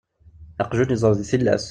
Aqjun iẓerr deg tillas.